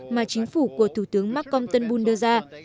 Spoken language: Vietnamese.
mà chính phủ của thủ tướng malcolm tân bùn đưa ra